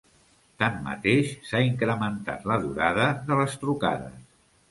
Tanmateix, s'ha incrementat la durada de les trucades.